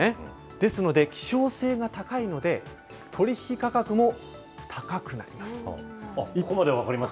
ですので、希少性が高いので、取り引き価格も高くなります。